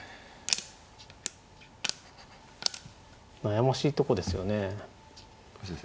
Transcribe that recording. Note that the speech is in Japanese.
悩ましいとこですよね。